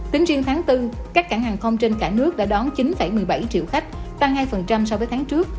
tính riêng tháng bốn các cảng hàng không trên cả nước đã đón chín một mươi bảy triệu khách tăng hai so với tháng trước